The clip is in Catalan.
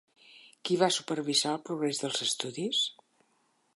Qui va supervisar el progrés dels estudis?